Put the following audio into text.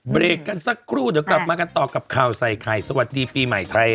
เบรกกันสักครู่เดี๋ยวกลับมากันต่อกับข่าวใส่ไข่สวัสดีปีใหม่ไทย